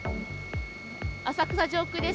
浅草上空です。